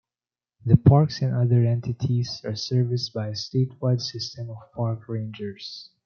The parks and other entities are serviced by a statewide system of park rangers.